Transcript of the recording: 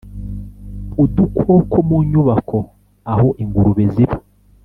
udukoko mu nyubako aho ingurube ziba